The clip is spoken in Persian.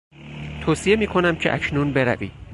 توصیه میکنم که اکنون بروی.